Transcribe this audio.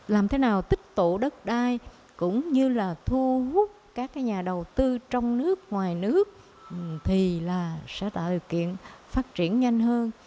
làm thế nào tích tụ đất đai cũng như là thu hút các nhà đầu tư trong nước ngoài nước thì là sẽ tạo điều kiện phát triển nhanh hơn